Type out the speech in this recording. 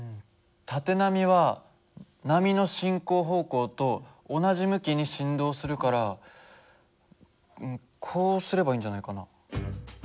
縦波は波の進行方向と同じ向きに振動するからこうすればいいんじゃないかな？